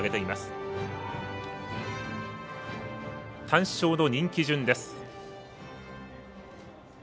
単勝の人気順です。